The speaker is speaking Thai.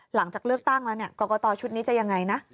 หลังจากเลือกตั้งแล้วกรกตชุดนี้จะยังไงนะ